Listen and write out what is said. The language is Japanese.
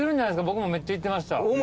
僕もめっちゃ行ってました。